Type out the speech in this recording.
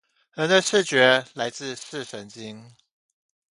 人的視覺來自視神經